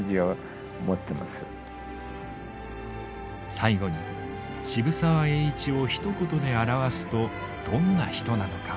最後に渋沢栄一をひと言で表すとどんな人なのか伺いました。